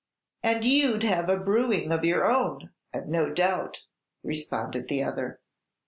"And you 'd have a brewing of your own, I 've no doubt," responded the other.